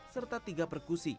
serta tiga perkusi